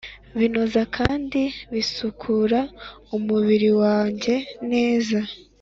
binoza kandi bisukura umubiri wawe neza